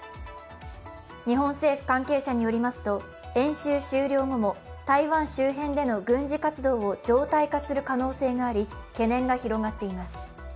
日本政府関係者によりますと演習終了後も台湾周辺での軍事活動を常態化する可能性があり、懸念が広がっています。